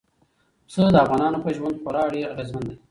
پسه د افغانانو په ژوند خورا ډېر اغېزمن دی.